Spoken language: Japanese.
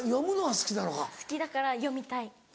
好きだから読みたい。